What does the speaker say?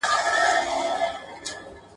چیغي ته یې له سوات څخه تر سنده !.